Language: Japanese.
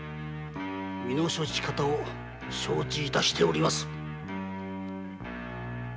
身の処し方を承知致しております。